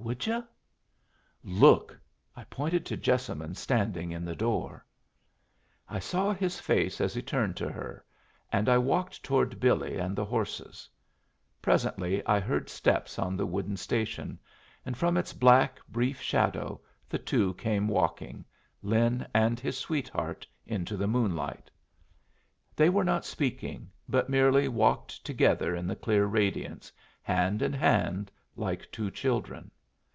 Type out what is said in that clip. "Would yu'?" "Look!" I pointed to Jessamine standing in the door. I saw his face as he turned to her, and I walked toward Billy and the horses. Presently I heard steps on the wooden station, and from its black, brief shadow the two came walking, Lin and his sweetheart, into the moonlight. They were not speaking, but merely walked together in the clear radiance, hand in hand, like two children.